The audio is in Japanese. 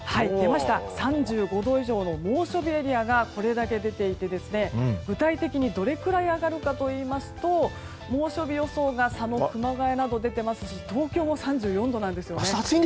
３５度以上の猛暑日エリアがこれだけ出ていて、具体的にどれくらい上がるかといいますと猛暑日予想が佐野、熊谷などに出ていますし東京も３４度なんです。